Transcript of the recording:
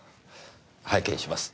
拝見します。